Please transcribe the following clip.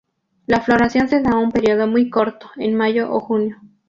La floración se da un periodo muy corto, en mayo o junio.